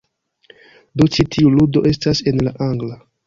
Do ĉi tiu ludo estas en la angla